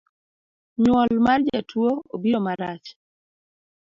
Nyuol mar jatuo obiro marach